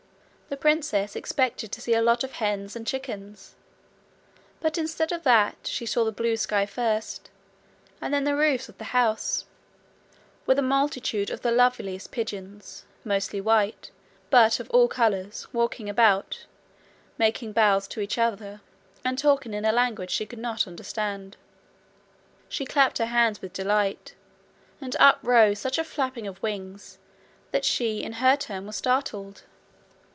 The princess expected to see a lot of hens and chickens, but instead of that, she saw the blue sky first, and then the roofs of the house, with a multitude of the loveliest pigeons, mostly white, but of all colours, walking about, making bows to each other, and talking a language she could not understand. She clapped her hands with delight, and up rose such a flapping of wings that she in her turn was startled.